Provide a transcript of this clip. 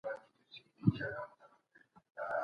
لمونځ په جماعت وکړئ.